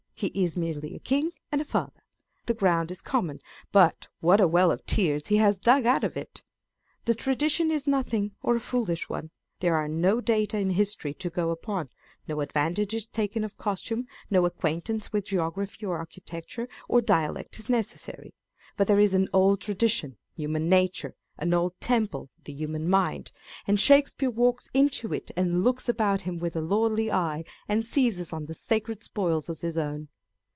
He is merely a king and a father. The ground is common : but what a well of tears has he dug out of it! The tradition is nothing, or a foolish one. There are no data in history to go upon ; no advantage is taken of costume, no acquaint ance with geography or architecture or dialect is necessary : but there is an old tradition, human nature â€" an old temple, the human mind â€" and Shakespeare walks into it and looks about him with a lordly eye, and seizes on the sacred spoils as his own.